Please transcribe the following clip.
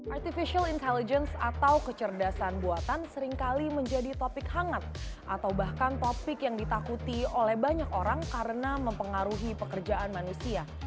artificial intelligence atau kecerdasan buatan seringkali menjadi topik hangat atau bahkan topik yang ditakuti oleh banyak orang karena mempengaruhi pekerjaan manusia